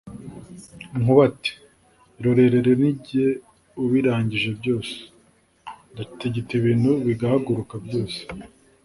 Nkuba ati: "Irorerere ni jye ubirangije byose, ndatigita ibintu bigahaguruka byose